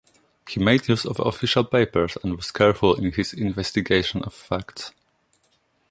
He made use of official papers and was careful in his investigation of facts.